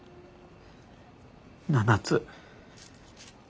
７つ。